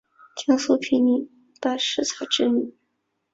江苏平民柏士彩之女。